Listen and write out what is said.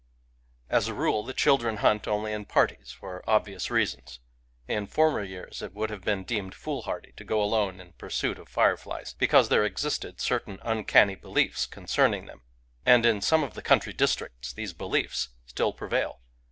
As a rule the children hunt only in parties^, for obvious reasons. In former years it would have Digitized by Googk FIREFLIES 153 been deemed foolhardy to go alone in pursuit of fireflies, because there existed certain uncanny be liefs concerning them. And in some of the coun try districts these beliefs still prevail.